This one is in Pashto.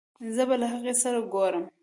زه به له هغې سره ګورم